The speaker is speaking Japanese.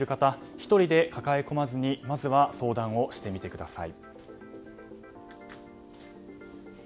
１人で抱え込まずにまずは相談をしてみてください。